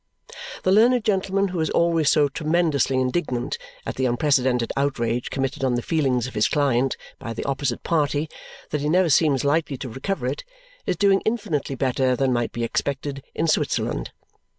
The learned gentleman who is always so tremendously indignant at the unprecedented outrage committed on the feelings of his client by the opposite party that he never seems likely to recover it is doing infinitely better than might be expected in Switzerland.